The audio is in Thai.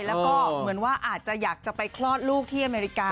แล้วก็เหมือนว่าอาจจะอยากจะไปคลอดลูกที่อเมริกา